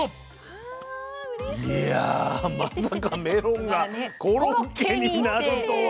いやまさかメロンがコロッケになるとは。